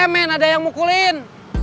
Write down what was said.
mn ada yang mukulin